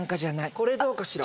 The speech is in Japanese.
これどうかしら？